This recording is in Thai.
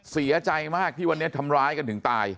เสียใจมากที่วันนี้ทำร้ายกันถึงตาย